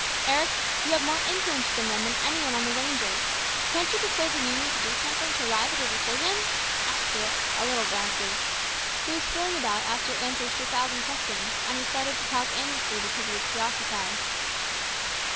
" Eric, you have more influence with the men than any one on the ranges. Can't you persuade the Union to do something to arrive at a decision ?" asked Stuart a little vaguely. He was feeling about after answers to a thousand questions, and he started the talk aimlessly because he was preoccupied.